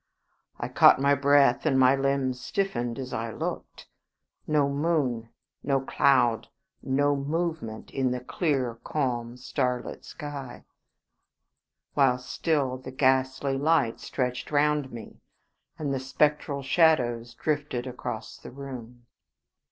I caught my breath, and my limbs stiffened as I looked. No moon, no cloud, no movement in the clear, calm, starlit sky; while still the ghastly light stretched round me, and the spectral shadows drifted across the room.